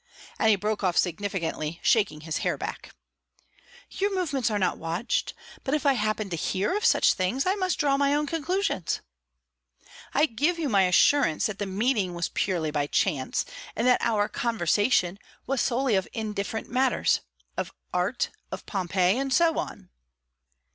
And he broke off significantly. "Your movements are not watched. But if I happen to hear of such things, I must draw my own conclusions." "I give you my assurance that the meeting was purely by chance, and that our conversation was solely of indifferent matters of art, of Pompeii, and so on."